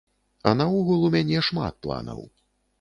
А наогул, у мяне шмат планаў.